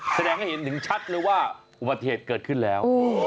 แสดงให้เห็นถึงชัดเลยว่าอุบัติเหตุเกิดขึ้นแล้ว